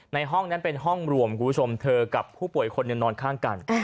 ในห้องนั้นเป็นห้องรวมคุณผู้ชมเธอกับผู้ป่วยคนหนึ่งนอนข้างกัน